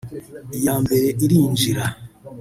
” Iya mbere irinjira